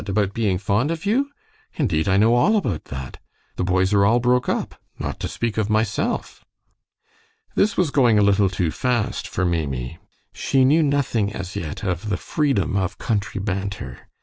About being fond of you? Indeed, I know all about that. The boys are all broke up, not to speak of myself." This was going a little too fast for Maimie. She knew nothing, as yet, of the freedom of country banter.